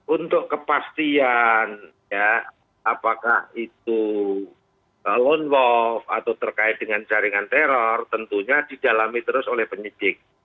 untuk kepastian ya apakah itu lone wolf atau terkait dengan jaringan teror tentunya didalami terus oleh penyidik